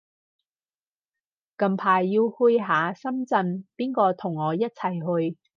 近排要去下深圳，邊個同我一齊去